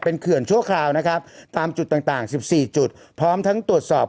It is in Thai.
เขื่อนชั่วคราวนะครับตามจุดต่างต่างสิบสี่จุดพร้อมทั้งตรวจสอบ